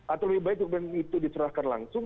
atau lebih baik dokumen itu disuruhkan langsung